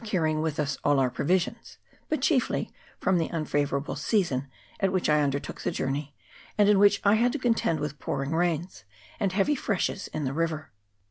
73 carrying with us all our provisions, but chiefly from the unfavourable season at which I undertook the journey, and in which I had to contend with pour ing rains and heavy freshes in the river.